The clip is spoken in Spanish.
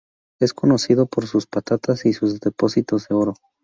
Es conocido por sus patatas y sus depósitos de oro.